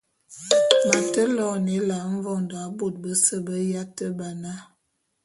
M’ate loene Ela mvondô a bôte bese be yate ba na.